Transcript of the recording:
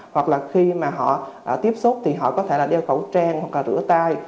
hoặc là khi họ tiếp xúc thì họ có thể đeo khẩu trang hoặc rửa tay